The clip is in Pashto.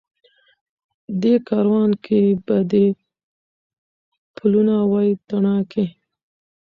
دې کاروان کي به دي پلونه وای تڼاکي